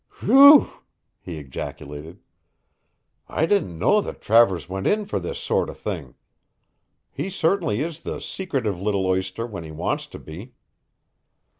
"Whew!" he ejaculated. "I didn't know that Travers went in for this sort of thing. He certainly is the secretive little oyster when he wants to be."